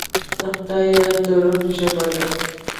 د خدای یاد، د روح ژبه ده.